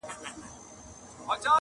• د نعمتونو پکښي رودونه -